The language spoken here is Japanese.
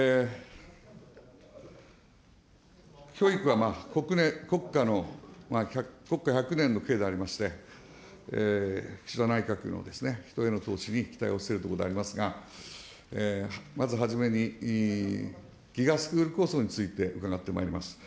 教育は国家百年の計でありまして、岸田内閣の人への投資に期待をしているところでありますが、まずはじめにＧＩＧＡスクール構想について伺ってまいります。